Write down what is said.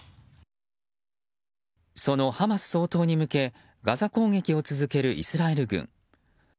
そのハマス掃討に向けガザ攻撃を続けるイスラエル軍。